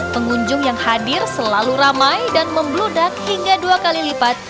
pengunjung yang hadir selalu ramai dan membludak hingga dua kali lipat